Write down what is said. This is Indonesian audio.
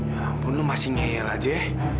ya ampun lo masih ngehel aja